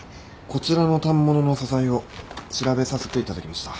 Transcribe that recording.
こちらの反物の素材を調べさせていただきました。